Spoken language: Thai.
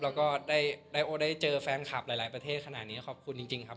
แล้วก็ได้โอ้ได้เจอแฟนคลับหลายประเทศขนาดนี้ขอบคุณจริงครับ